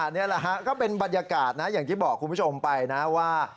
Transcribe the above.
นี่แหละฮะก็เป็นบรรยากาศนะอย่างที่บอกคุณผู้ชมไปนะว่า